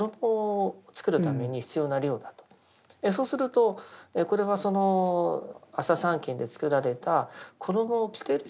そうするとこれはその麻三斤で作られた衣を着てる人が仏なのかと。